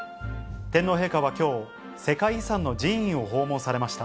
天皇陛下はきょう、世界遺産の寺院を訪問されました。